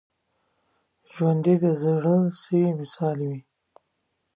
ژوندي د زړه سوي مثال وي